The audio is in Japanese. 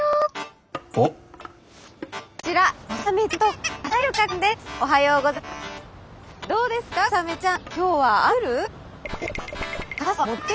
コサメちゃん。